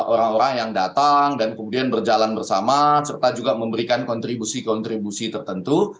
orang orang yang datang dan kemudian berjalan bersama serta juga memberikan kontribusi kontribusi tertentu